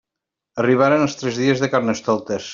Arribaren els tres dies de Carnestoltes.